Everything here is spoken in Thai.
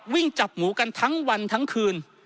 วิ่งจับหมูกันทั้งวันทั้งคืน